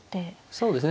そうですね。